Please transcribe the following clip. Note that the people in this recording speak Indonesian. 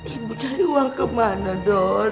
ibu cari uang kemana dor